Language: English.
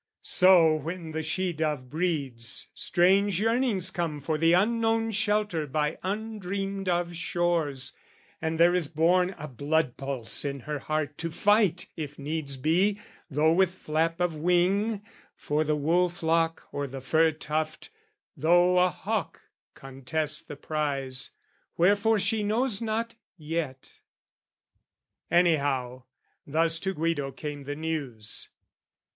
So when the she dove breeds, strange yearnings come For the unknown shelter by undreamed of shores, And there is born a blood pulse in her heart To fight if needs be, though with flap of wing, For the wool flock or the fur tuft, though a hawk Contest the prize, wherefore, she knows not yet. Anyhow, thus to Guido came the news.